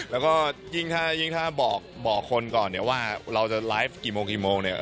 แล้วก็ยิ่งถ้าบอกคนก่อนว่าเราจะไลฟ์กี่โมง